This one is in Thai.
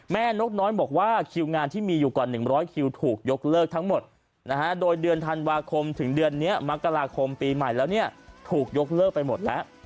นกน้อยบอกว่าคิวงานที่มีอยู่กว่า๑๐๐คิวถูกยกเลิกทั้งหมดโดยเดือนธันวาคมถึงเดือนนี้มกราคมปีใหม่แล้วเนี่ยถูกยกเลิกไปหมดแล้ว